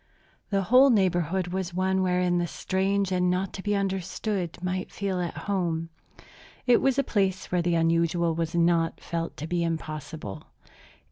The whole neighborhood was one wherein the strange and the not to be understood might feel at home. It was a place where the unusual was not felt to be impossible.